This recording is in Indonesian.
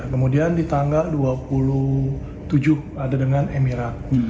kemudian di tanggal dua puluh tujuh ada dengan emirat